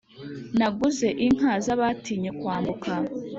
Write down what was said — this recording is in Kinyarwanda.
Naguze inka z'abatinye kwambuka